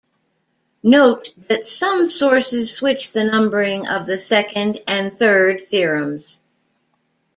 Note that some sources switch the numbering of the second and third theorems.